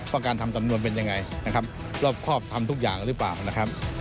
การทำสำนวนเป็นยังไงนะครับรอบครอบทำทุกอย่างหรือเปล่านะครับ